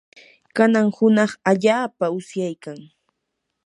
kanan hunaq allaapam usyaykan.